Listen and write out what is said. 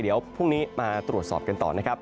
เดี๋ยวพรุ่งนี้มาตรวจสอบกันต่อนะครับ